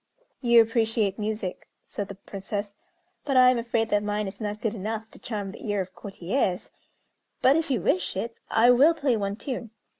"You appreciate music," said the Princess; "but I am afraid that mine is not good enough to charm the ear of courtiers; but, if you wish it, I will play one tune."